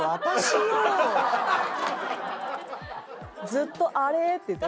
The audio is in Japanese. ずっと「あれ？」って言って。